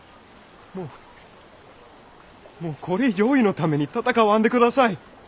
もうもうこれ以上おいのために戦わんで下さい。